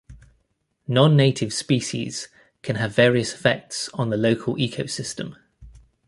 Non-native species can have various effects on the local ecosystem.